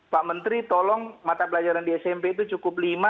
pak menteri tolong mata pelajaran di smp itu cukup lima